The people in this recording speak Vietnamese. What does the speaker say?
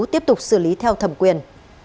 tiếp tục xử lý theo thẩm quyền